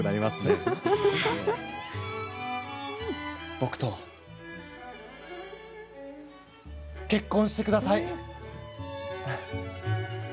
僕と結婚して下さい。